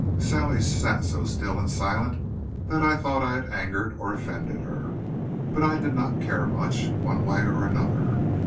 Sally sat so still and silent that I thought I had angered or offended her. But I did not care much, one way or another.